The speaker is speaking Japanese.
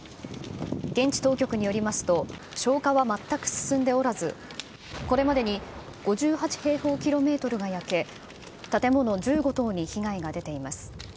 現地当局によりますと、消火は全く進んでおらず、これまでに５８平方キロメートルが焼け、建物１５棟に被害が出ています。